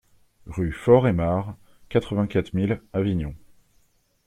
Rue Faure Aymard, quatre-vingt-quatre mille Avignon